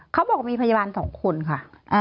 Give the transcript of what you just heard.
เขาบอกมีพยาบาล๒คนค่ะ